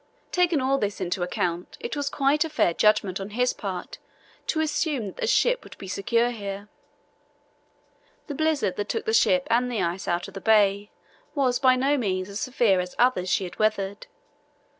Taking all this into account, it was quite a fair judgment on his part to assume that the ship would be secure here. The blizzard that took the ship and the ice out of the bay was by no means as severe as others she had weathered.